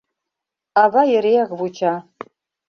Ава эреак вуча.